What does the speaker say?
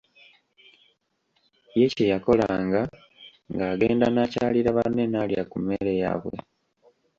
Ye kye yakolanga ng'agenda n'akyalira banne n'alya ku mmere yaabwe.